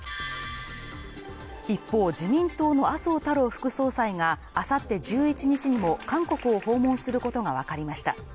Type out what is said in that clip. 一方自民党の麻生太郎副総裁が、明後日１１日にも韓国を訪問することがわかりました。